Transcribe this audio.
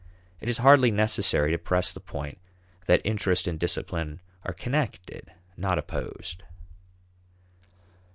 It is hardly necessary to press the point that interest and discipline are connected, not opposed.